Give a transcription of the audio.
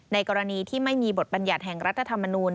กรณีที่ไม่มีบทบรรยัติแห่งรัฐธรรมนูล